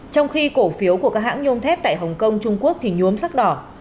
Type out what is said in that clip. trong khi cổ phiếu của các hãng nhôm thép tại hồng kông trung quốc thì nhuốm sắc đỏ